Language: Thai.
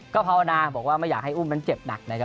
ก็ภาวนาบอกว่าไม่อยากให้อุ้มนั้นเจ็บหนักนะครับ